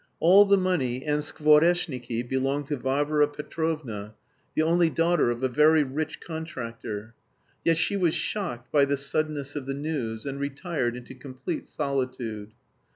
All the money and Skvoreshniki belonged to Varvara Petrovna, the only daughter of a very rich contractor.) Yet she was shocked by the suddenness of the news, and retired into complete solitude.